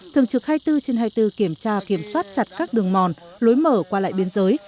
thường trực hai mươi bốn trên hai mươi bốn kiểm tra kiểm soát chặt các đường mòn lối mở qua lại biên giới